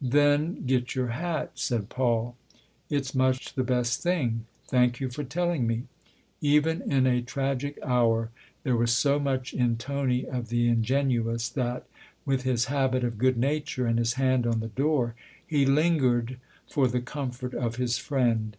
"Then get your hat," said Paul. " It's much the best thing. Thank you for telling me." Even in a tragic hour there was so much in Tony of the ingenuous that, with his habit of good nature and his hand on the door, he lingered for the comfort of his friend.